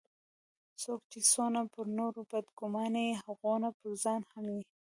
څوک چي څونه پر نورو بد ګومانه يي؛ هغونه پرځان هم يي.